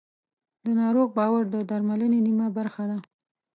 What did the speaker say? د ناروغ باور د درملنې نیمه برخه ده.